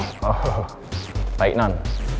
oh baik non